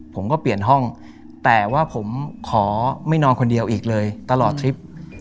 ผมก็เปลี่ยนห้องแต่ว่าผมขอไม่นอนคนเดียวอีกเลยตลอดทริป